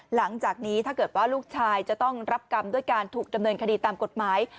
หลังจากนี้ถ้าเกิดว่าลูกชายจะต้องรับกรรมด้วยการถูกดำเนินคดีตามกฎหมาย